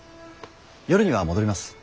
夜には戻ります。